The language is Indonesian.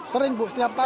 sering bu setiap tahun